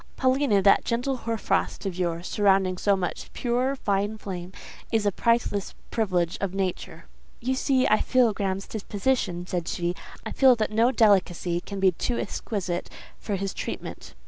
Paulina, that gentle hoar frost of yours, surrounding so much pure, fine flame, is a priceless privilege of nature." "You see I feel Graham's disposition," said she. "I feel that no delicacy can be too exquisite for his treatment."